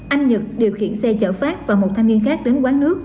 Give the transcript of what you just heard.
anh nhật điều khiển xe chở phát và một thanh niên khác đến quán nước